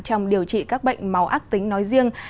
trong điều trị các bệnh màu ác tính nói riêng